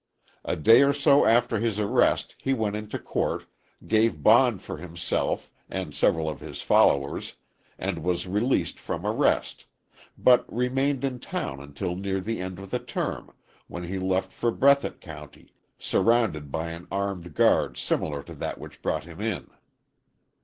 A day or so after his arrest he went into court, gave bond for himself and several of his followers and was released from arrest, but remained in town until near the end of the term, when he left for Breathitt County, surrounded by an armed guard similar to that which brought him in.